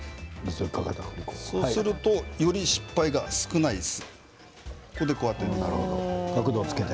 そうするとより失敗が少なくなります。